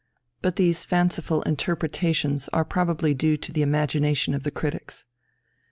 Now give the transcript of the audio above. But these fanciful interpretations are probably due to the imagination of the critics.